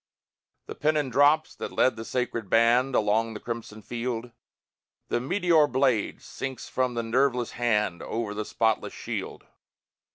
The pennon drops that led the sacred band Along the crimson field; The meteor blade sinks from the nerveless hand Over the spotless shield.